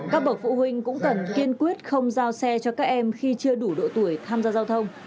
các bậc phụ huynh cũng cần kiên quyết không giao xe cho các em khi chưa đủ độ tuổi tham gia giao thông